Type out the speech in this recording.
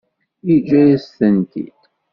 Yeǧǧa-yas-tent-id.